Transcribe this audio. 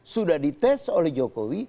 sudah dites oleh jokowi